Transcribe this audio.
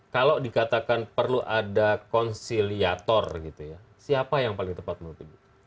kalau dikatakan perlu ada konsiliator siapa yang paling tepat menurut anda